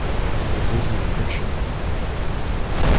This is no fiction.